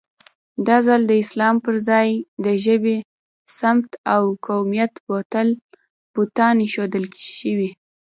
دا ځل د اسلام پر ځای د ژبې، سمت او قومیت بوتان اېښودل شوي.